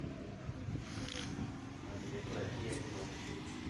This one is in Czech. Musím konstatovat, že ukrajinští občané tuto zkoušku zvládli.